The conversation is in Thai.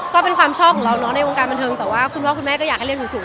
ก็เป็นความชอบของเราเนาะในวงการบันเทิงแต่ว่าคุณพ่อคุณแม่ก็อยากให้เรียนสูง